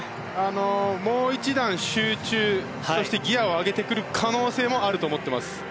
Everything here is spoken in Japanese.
もう１段集中そしてギアを上げてくる可能性もあると思ってます。